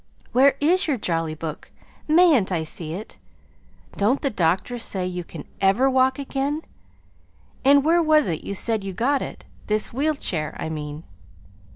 Where is your Jolly Book? Mayn't I see it? Don't the doctors say you can ever walk again? And where was it you said you got it? this wheel chair, I mean."